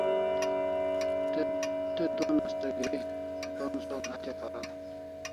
Te don asta gri d'onson hatya paron